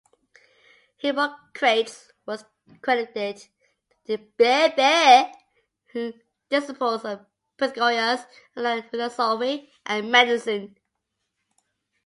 Hippocrates was credited by the disciples of Pythagoras of allying philosophy and medicine.